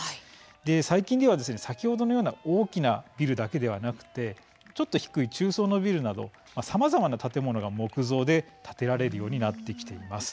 最近では、先ほどのような大きなビルだけでなくてちょっと低い中層のビルなどさまざまな建物が木造で建てられるようになってきています。